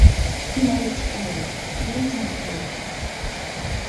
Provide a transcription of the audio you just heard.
In H. A. Gleason Ill.